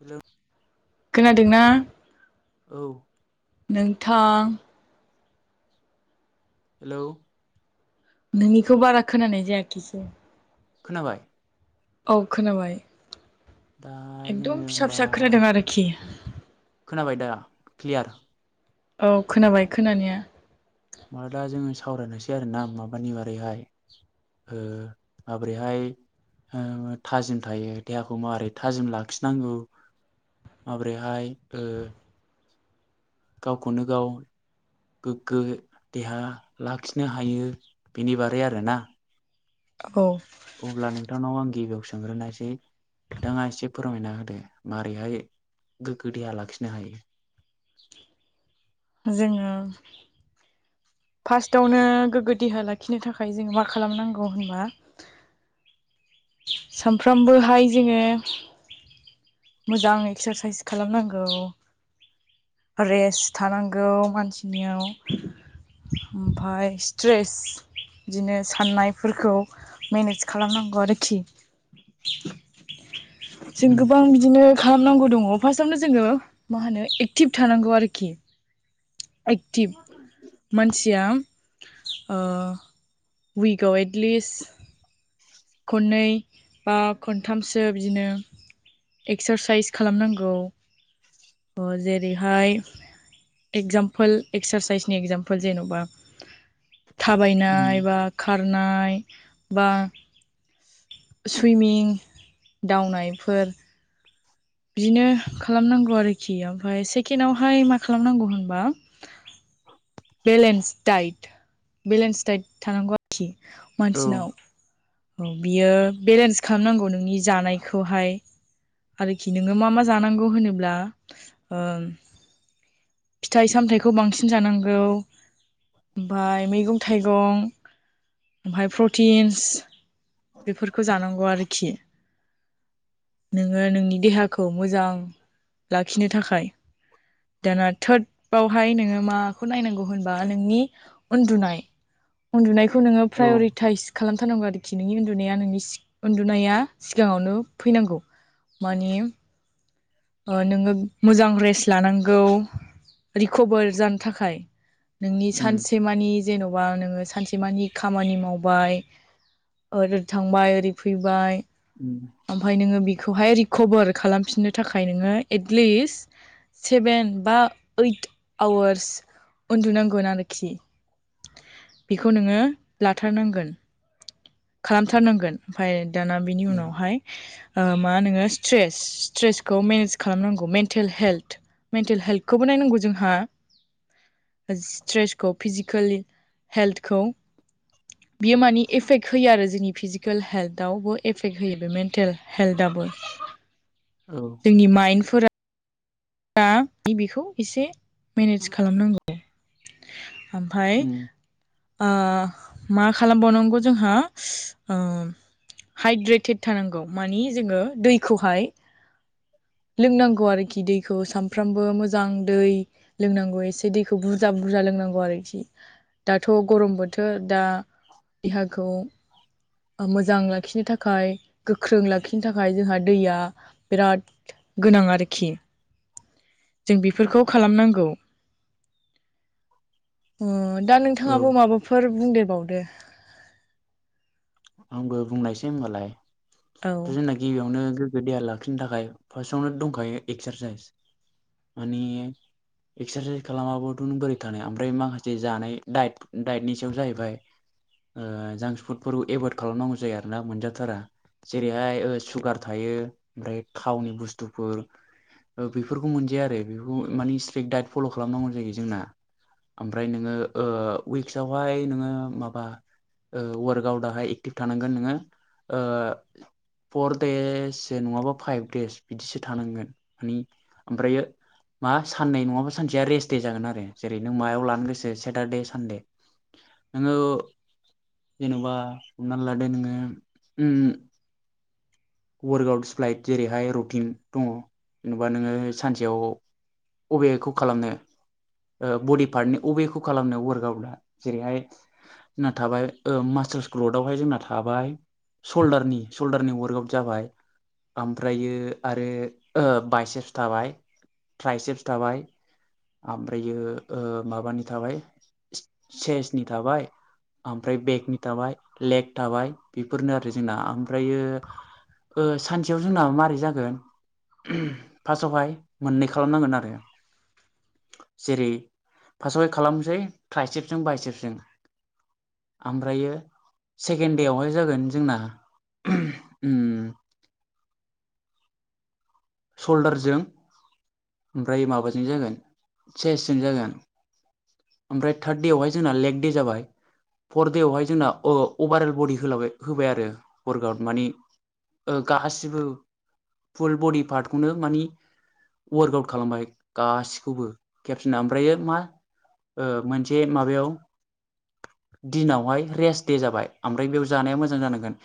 Hello खोनादोंना औ नोंथां हेलौ नोंनिखौ बारा खोनानाय जायाखिसै खोनाबाय औ खोनाबाय दा जोङो एकदम फिसा होमबा फिसा खोनादों आरोखि खोनाबाय दा क्लियार औ खोनाबाय खोनानाया माब दा जोङो सावरायनोसै आरोोना माबानि बारैहाय माबोरैहाय थाजिम थायो देहाखौ माबोरै थाजिम लाखिनांगौ माबोरैहाय गावखौनो गाव गोग्गो देहा लाखिनो हायो बेनि बारै आरोना औ अब्ला नोंथांनाव आं गिबियाव सोंग्रोनायसै नोंथाङा एसे फोरमायना होदो मारैहाय गोग्गो देहा लाखिनो हायो जोङो फार्स्टआवनो गोग्गो देहा लाखिनो थाखाय जोङो मा खालामनांगौ होनबा सानफ्रामबोहाय जोङो मोजां एक्सारसाइस खालामनांगौ रेस्ट थानांगौ मानसिनियाव ओमफफ्राय स्ट्रेस बिदिनो साननायफोरखौ मेनेज खालामनांगौ आरोखि जों उम गोबां। बिदिनो खालामनांगौ दङ फार्स्टआवनो जोङो मा होनो एक्टिभ थानांगौ आरोखि। एक्टिभ मानसिया। ओ विकआव एटलिस्ट। खननै बा खनथामसो बिदिनो। एक्सारसाइस खालामनांगौ जेरैहाय एगजामपोल एक्सारसाइसनि इगजामपोल जेनबा उम थाबायनाय बा खारनाय बा। सुइमिं दावनायफोर बिदिनो खालामनांगौ आरोखि ओमफ्राय सेकेन्डआवहाय मा खालामनांगौ होनबा बेलेन्स डाइट बेलेन्स डाइट थानांगौ खि औ मानसिनाव। औ बियो बेलेन्स खालामनांगौ नोंनि जानायखौहाय। खि नोङो मा मा जानांगौ होनोब्ला ओ फिथाइ सामथायाइखौ बांसिन जानांगौ। ओमफाय मैगं थाइगं ओमफाय प्रटिन्स बेफोरखौ जानांगौ आरोखि। नोङो नोंनि देहाखौ मोजां लाखिनो थाखाय। दाना थार्दवहाय नोङो माखौ नायनांगौ होनबा नोंनि उन्दुनाय उन्दुनायखौ नोङो औ प्रायरिटाइस खालामथारनांगौ आरोखि। नोंनि उन्दुनाया नोंनि उन्दुनाया सिगाङावनो फैनांगौ माने। ओ नोङो मोजां रेस्ट लानांगौ रिकभार जानो थाखाय। नोंनि उम सानसेमानि जेनबा नोङो सानसेमानि खामानि मावबाय। ओ ओरै थांबाय ओरै फैबाय। उम ओमफाय नोङो बेखौहाय रिकभार खालामफिननो थाखाय नोङो एटलिस्ट सेभेन बा ओइट आवार्स उन्दुनांगोन आरोखि। बेखौ नोङो लाथारनांगोन। खालामथारनांगोन ओमफाय दाना बिनि औ उनावहाय। ओ मा नोङो स्ट्रेस स्ट्रेसखौ मेनेज खालामनांगौ मेन्टेल हेल्थ। मेन्टेल हेल्थखौबो नायनांगौ जोंहा। स्ट्रेसखौ फिजिकलि हेल्थखौ। बियो मानिे एफेक्ट होयो आरो जोंनि फिजिकेल हेल्थावबो एफेक्ट होयो बे मेन्टेल हेल्थाबो औ जोंनि माइफोरा दा नबेखौ एसे मेनेज खालामनांगौ आरो। ओमफाय। उम ओ मा खालामबावनांगौ जोंहाओ हाइद्रेटेड थानांगौ मानि जोङो दैखौहाय लोंनांगौ आरोखि दै खौ सानफ्रामबो मोजां दै लोंनांगौ एसे दैखौ बुरजा बुरजा लोंनांगौ आरोखि। दाथ गरम बोथोर दा देहाखौ। मोजां लाखिनो थाखाय गोख्रों लाखिनो थाखाय जोंहा दैया बिराद गोनां आरोखि। जों बिफोरखौ खालामनांगौ ओ दा औ नोंथाङाबो माबाफोर बुंदेरबावदो। आंबो बुंलायसै होनोमबालाय। औ जोंना गिबियावनो गोग्गो देहा लाखिनो थाखाय फार्स्टआवनो दंखायो एक्सारसाइस। माने एक्सारसाइस खालामाबोथ बोरै थानायानो ओमफ्राय माखासे जानाय दाइ दाइटनि सायाव जाहैबाय। ओ जांक फुडफोर एभयड खालामनांगौ जायो आरोना मोनजाथारा। जेरैहाय सुगार थायो ओमफ्राय थावनि बुस्थुफोर। ओ बेफोरखौ मोनजाया आरो बे माने स्ट्रिक दडाइट फल खालामनांगौ जायो जोंना। ओमफ्राय नोङो ओ उइक्सआवहाय नोङो माबा। वार्क आउटाहाय एक्टिभ थानांगोन नोङो फर देस नङाबा फाइभ देस बिदिसो थानांगोन मानि ओमफ्रायो मा साननै नङाबा सानसेया रेस्ट दे जागोन आरो जेरै नों मायाव लानो गोसो सेटारडे सानडे नोङो जेनेबा हमनानै लादो नोङो वर्क आउट सप्लाइट जेरैहाय रुटिन दङ जेनेबा नोङो सानसेयाव बबेखौ खालामनो ओ बडि पार्टनि अबेखौ खालामनो वार्कआउटआ जेरैहाय ना थाबाय ओ मास्टारस ग्लडवहाय जोंना थाबाय सल्डारनि सल्दार नि वर्कआव जाबाय ओमफ्रायो आरो बायसेस थाबाय। फ्राइ चप्स थाबाय ओमफ्रायो माबानि थाबाय चेसनि थाबाय ओमफ्राय बेकनि थाबाय लेग थाबाय बेफोरनो आरो जोंना ओमफ्रायो सानसेयाव जोंना माबारै जागोन फार्स्टावहाय मोननै खालामनांगोन आरो जेरै फार्स्टआवहाय खालामसै ट्राइसेपजों बाय सेपजों ओमफ्रायो सेकेणड देवहाय जागोन जोंना उम सल्दारजों ओमफ्राय माबाजों जागोन चेस्जों जागोन ओमफ्राय थार्द देवहाय जोंना लेग दे जाबाय फर देवहाय जोंना अभारल बडिबाय होबाय आरो वर्कआउट मानि गासिबो फुल बडि पार्टखौनो मानि वार्कआउट खालामबाय गासिखौबो खेबसेना ओमफ्र मा मोनसे माबायाव दिनावहाय रेस्ट दे जाबाय ओमफ्राय बेयाव जानाया मोजां जानांगोन